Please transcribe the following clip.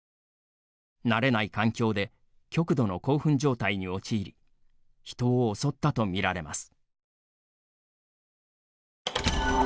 慣れない環境で極度の興奮状態に陥り人を襲ったとみられます。